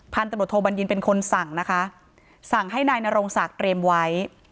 ตำรวจโทบัญญินเป็นคนสั่งนะคะสั่งให้นายนรงศักดิ์เตรียมไว้